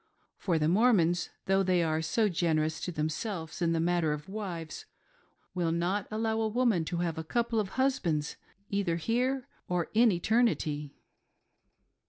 — for the Mormons, though they are so generous to themselves in the matter of wives, will not allow a woman to have a couple of husbands, either here or in eternity.